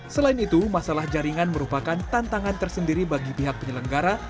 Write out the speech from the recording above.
selain itu masalah jaringan merupakan tantangan tersendiri bagi pihak penyelenggara